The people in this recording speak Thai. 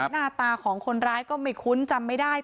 หน้าตาของคนร้ายก็ไม่คุ้นจำไม่ได้